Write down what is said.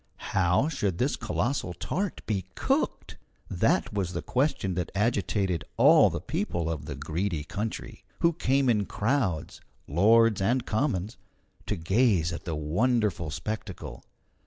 How should this colossal tart be cooked? That was the question that agitated all the people of the Greedy country, who came in crowds lords and commons to gaze at the wonderful spectacle.